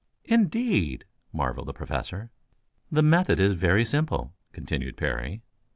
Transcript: "Indeed?" marveled the Professor. "The method is very simple," continued Parry.